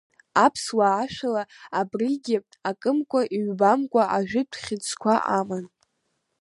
Аԥсуа-ашәыла абригьы акымкәа-ҩбамкәа ажәытә хьыӡқәа аман.